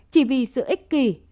chỉ vì sự ích kỷ dục vọng của người lớn